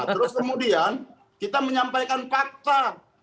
terus kemudian kita menyampaikan fakta